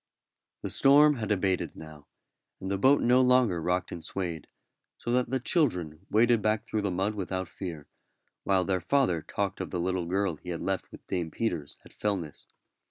The storm had abated now, and the boat no longer rocked and swayed, so that the children waded back through the mud without fear, while their father talked of the little girl he had left with Dame Peters at Fellness.